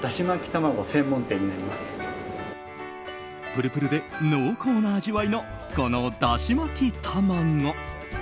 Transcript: プルプルで濃厚な味わいのこのだし巻き卵。